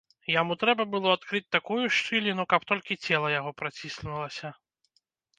Яму трэба было адкрыць такую шчыліну, каб толькі цела яго праціснулася.